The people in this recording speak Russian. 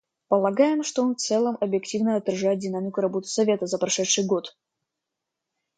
Полагаем, что он в целом объективно отражает динамику работы Совета за прошедший год.